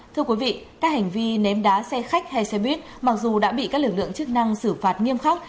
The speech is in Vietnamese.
thưa quý vị các hành vi ném đá xe khách hay xe buýt mặc dù đã bị các lực lượng chức năng xử phạt nghiêm khắc